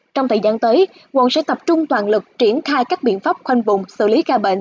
trong thời gian tới quận sẽ tập trung toàn lực triển khai các biện pháp khoanh vùng xử lý ca bệnh